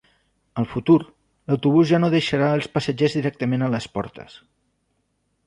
Al futur, l'autobús ja no deixarà als passatgers directament a les portes.